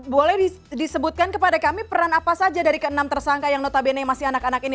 boleh disebutkan kepada kami peran apa saja dari ke enam tersangka yang notabene masih anak anak ini